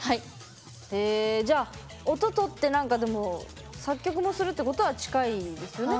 じゃあ、音とって作曲もするっていうことは近いですよね？